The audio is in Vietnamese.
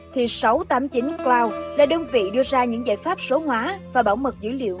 thì sáu trăm tám mươi chín cloud là đơn vị đưa ra những giải pháp số hóa và bảo mật dữ liệu